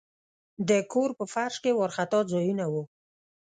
د کور په فرش کې وارخطا ځایونه وو.